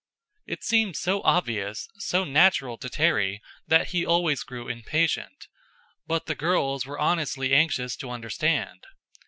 It seemed so obvious, so natural to Terry, that he always grew impatient; but the girls were honestly anxious to understand.